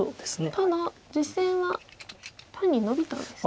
ただ実戦は単にノビたんですね。